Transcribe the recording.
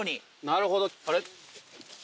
なるほどあれ？